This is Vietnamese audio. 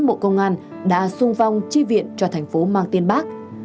bộ công an đã xung vong tri viện cho thành phố mang tiền bác